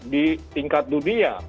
di tingkat dunia